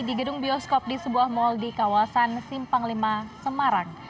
di gedung bioskop di sebuah mal di kawasan simpang lima semarang